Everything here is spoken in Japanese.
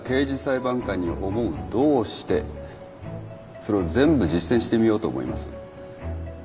それを全部実践してみようと思います。